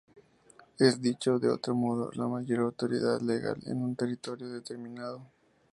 Es, dicho de otro modo, la mayor autoridad legal en un territorio determinado.